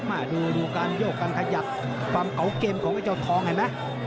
มาดูการโยกการขยับความเก่าเกมของไอ้เจ้าทองเห็นไหม